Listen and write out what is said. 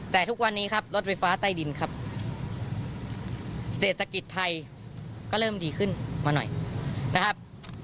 แต่ทุกวันนี้ครับรถไฟฟ้าใต้ดินครับเศรษฐกิจไทยก็เริ่มดีขึ้นมาหน่อยนะครับ